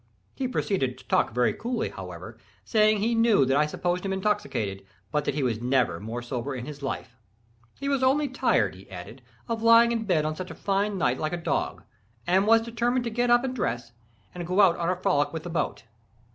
He proceeded to talk very coolly, however, saying he knew that I supposed him intoxicated, but that he was never more sober in his life. He was only tired, he added, of lying in bed on such a fine night like a dog, and was determined to get up and dress, and go out on a frolic with the boat.